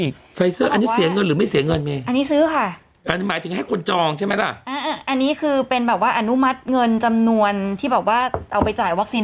ค่ะอันนี้คือเป็นแบบว่าอนุมัติเงินจำนวนที่บอกว่าเอาไปจ่ายวัคซีล